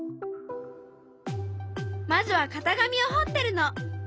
まずは型紙をほってるの。